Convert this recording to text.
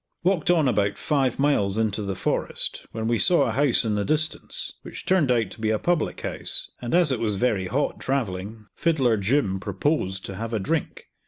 Walked on about five miles into the forest, when we saw a house in the distance, which turned out to be a public house; and, as it was very hot travelling, Fiddler Jim proposed to have a drink.